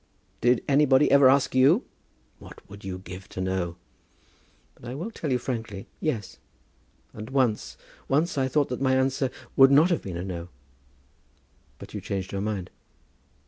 "Did anybody ever ask you?" "What would you give to know? But I will tell you frankly; yes. And once, once I thought that my answer would not have been a 'no.'" "But you changed your mind?"